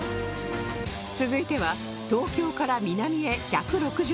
続いては東京から南へ１６０キロ